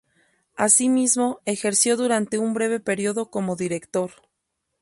Asimismo ejerció durante un breve periodo como director.